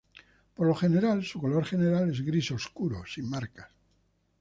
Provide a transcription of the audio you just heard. Por lo general su color general es gris oscuro, sin marcas.